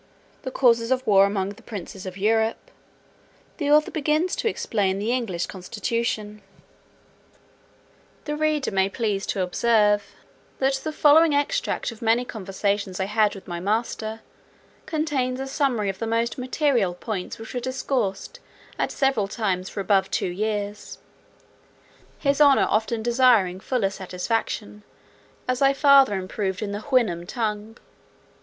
The causes of war among the princes of Europe. The author begins to explain the English constitution. The reader may please to observe, that the following extract of many conversations I had with my master, contains a summary of the most material points which were discoursed at several times for above two years; his honour often desiring fuller satisfaction, as I farther improved in the Houyhnhnm tongue.